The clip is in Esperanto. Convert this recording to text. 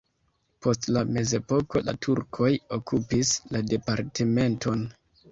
Post la mezepoko la turkoj okupis la departementon.